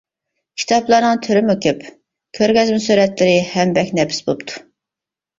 كىتابلارنىڭ تۈرىمۇ كۆپ، كۆرگەزمە سۈرەتلىرى ھەم بەك نەپىس بوپتۇ.